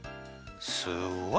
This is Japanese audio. すごい。